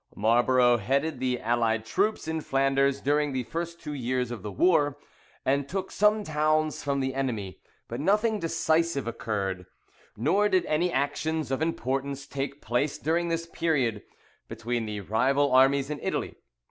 Marlborough headed the allied troops in Flanders during the first two years of the war, and took some towns from the enemy, but nothing decisive occurred. Nor did any actions of importance take place during this period, between the rival armies in Italy.